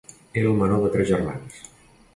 Era el menor de tres germans.